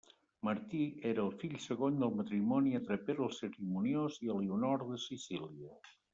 Martí era el fill segon del matrimoni entre Pere el Cerimoniós i Elionor de Sicília.